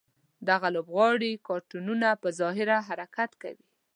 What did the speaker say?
دغه لوبغاړي کارتونونه په ظاهره حرکت کوي.